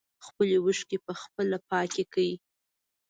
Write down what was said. خپلې اوښکې په خپله پاکې کړئ.